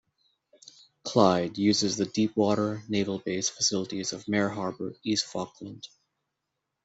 "Clyde" uses the deepwater naval base facilities of Mare Harbour, East Falkland.